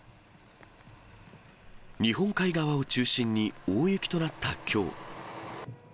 日本海側を中心に大雪となったきょう。